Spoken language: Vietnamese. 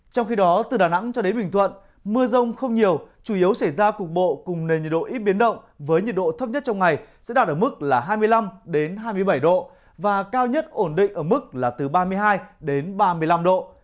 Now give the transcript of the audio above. trong khi đó từ đà nẵng cho đến bình thuận mưa rông không nhiều chủ yếu xảy ra cục bộ cùng nền nhiệt độ ít biến động với nhiệt độ thấp nhất trong ngày sẽ đạt ở mức hai mươi năm hai mươi bảy độ và cao nhất ổn định ở mức là từ ba mươi hai đến ba mươi năm độ